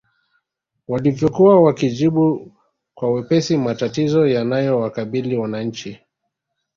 Walivyokuwa wakijibu kwa wepesi matatizo yanayowakabili wananchi